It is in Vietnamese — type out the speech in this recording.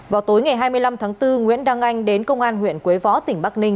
vào tối ngày hai mươi năm tháng bốn nguyễn đăng anh đến công an huyện quế võ tỉnh bắc ninh